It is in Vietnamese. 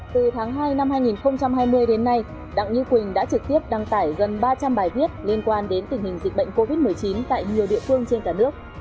từ tháng hai năm hai nghìn hai mươi đến nay đặng như quỳnh đã trực tiếp đăng tải gần ba trăm linh bài viết liên quan đến tình hình dịch bệnh covid một mươi chín tại nhiều địa phương trên cả nước